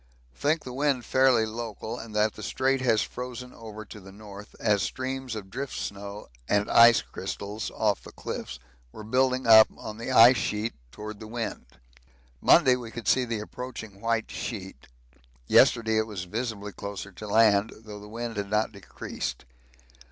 Think the wind fairly local and that the Strait has frozen over to the north, as streams of drift snow and ice crystals (off the cliffs) were building up the ice sheet towards the wind. Monday we could see the approaching white sheet yesterday it was visibly closer to land, though the wind had not decreased.